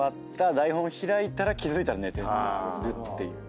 台本開いたら気付いたら寝てるっていう。